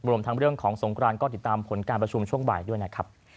รวมทั้งเรื่องของสงครานก็ติดตามผลการประชุมช่วงบ่ายด้วยนะครับ